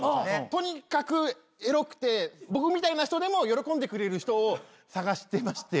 とにかくエロくて僕みたいな人でも喜んでくれる人を探してまして。